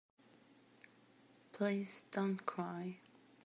Please don't cry.